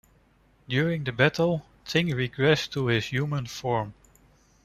During the battle, Thing regressed to his human form.